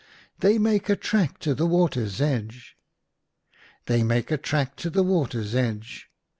" They make a track to the water's edge." " They make a track to the water's edge